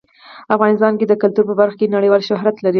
افغانستان د کلتور په برخه کې نړیوال شهرت لري.